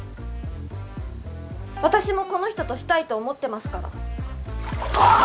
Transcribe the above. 私もこの人とシたいって思ってますからはあっ！？